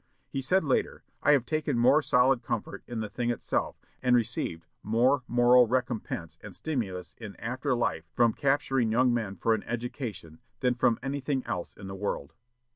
He said later: "I have taken more solid comfort in the thing itself, and received more moral recompense and stimulus in after life from capturing young men for an education than from anything else in the world.